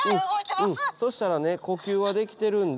そしたらね呼吸はできてるんで。